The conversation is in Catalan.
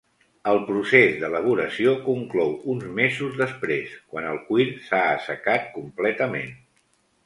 El procés d'elaboració conclou uns mesos després, quan el cuir s'ha assecat completament.